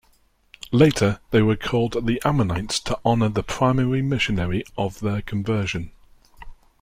Later, they were called Ammonites to honor the primary missionary of their conversion.